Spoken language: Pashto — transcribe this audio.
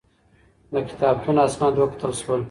د کتابتون اسناد وکتل شول.